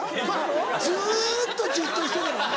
ずっとじっとしてたらね。